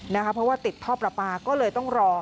เพราะว่าติดท่อประปาก็เลยต้องรอ